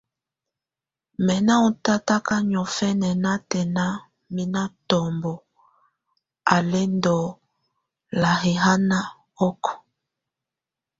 Mɛ́ ná ŋɔ́ tataka niɔ̀fǝnà natɛna mɛ́ ná tɔmbɔ á lɛ́ ndɔ́ lalɛ́haná ɔkɔɔ.